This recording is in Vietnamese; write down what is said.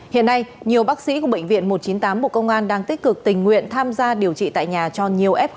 hiện nay nhiều bác sĩ của bệnh viện một trăm chín mươi tám bộ công an đang tích cực tình nguyện tham gia điều trị tại nhà cho nhiều em nhỏ